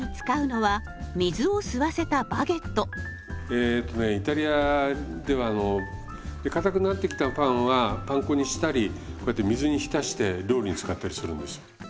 えとねイタリアではかたくなってきたパンはパン粉にしたりこうやって水に浸して料理に使ったりするんですよ。